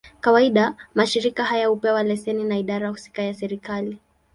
Kawaida, mashirika haya hupewa leseni na idara husika ya serikali.